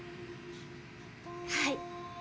はい。